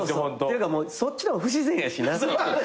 ていうかもうそっちの方が不自然やしな。